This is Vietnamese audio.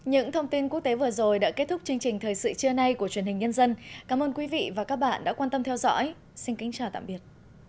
những thông tin quốc tế vừa rồi đã kết thúc chương trình thời sự trưa nay của truyền hình nhân dân cảm ơn quý vị và các bạn đã quan tâm theo dõi xin kính chào tạm biệt